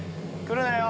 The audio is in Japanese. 来るなよ。